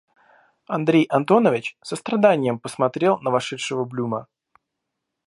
Андрей Антонович со страданием посмотрел на вошедшего Блюма.